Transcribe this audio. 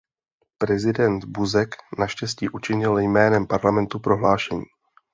Prezident Buzek naštěstí učinil jménem Parlamentu prohlášení.